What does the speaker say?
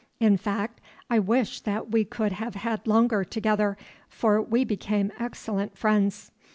In fact, I wish that we could have had longer together, for we became excellent friends.